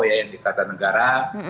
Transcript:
yang di kata negara